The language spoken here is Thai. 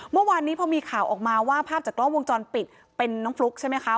เมื่อวานนี้พอมีข่าวออกมาว่าภาพจากกล้องวงจรปิดเป็นน้องฟลุ๊กใช่ไหมคะ